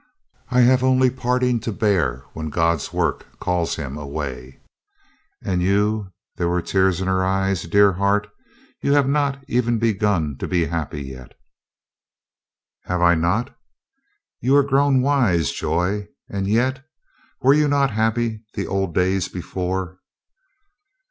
"I have only parting to bear when God's work calls him away. And you," there were tears in her eyes, "dear heart, you have not even begun to be happy yet." "Have I not? You are grown wise, Joy. And yet — were you not happy the old days — ^before?"